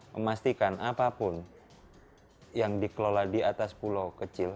memastikan apapun yang dikelola di atas pulau kecil